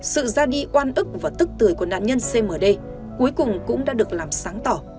sự ra đi oan ức và tức tuổi của nạn nhân cmd cuối cùng cũng đã được làm sáng tỏ